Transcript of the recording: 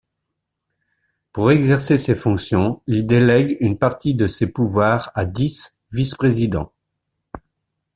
Pour exercer ces fonctions, il délègue une partie de ses pouvoirs à dix vice-présidents.